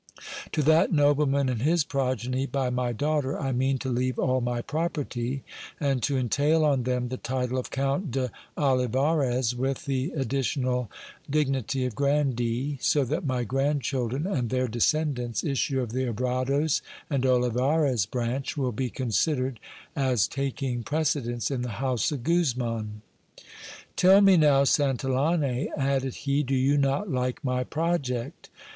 To that nobleman and his progeny by my daughter I mean to leave all my property, and to entail on them the title of Count d'Olivarez, with the additional dignity of grandee ; so that my grandchildren and their descendants, issue of the Abrados and Olivarez branch, will be considered as taking prece dence in the house of Guzman. Tell me now, Santillane, added he, do you not like my project